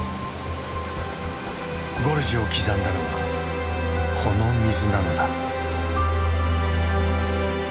ゴルジュを刻んだのはこの水なのだ。